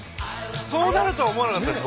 そうなるとは思わなかったです